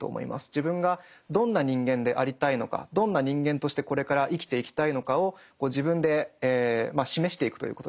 自分がどんな人間でありたいのかどんな人間としてこれから生きていきたいのかを自分で示していくということですね。